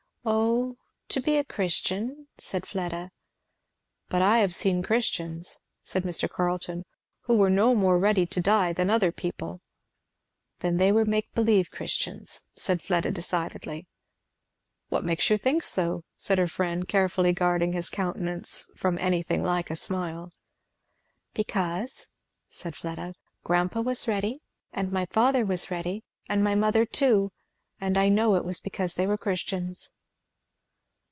"O to be a Christian," said Fleda. "But I have seen Christians," said Mr. Carleton, "who were no more ready to die than other people." "Then they were make believe Christians," said Fleda decidedly. "What makes you think so?" said her friend, carefully guarding his countenance from anything like a smile. "Because," said Fleda, "grandpa was ready, and my father was ready, and my mother too; and I know it was because they were Christians."